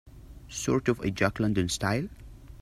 Sort of a Jack London style?